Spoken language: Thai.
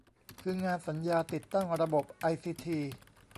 คืองานสัญญาติดตั้งระบบไอซีที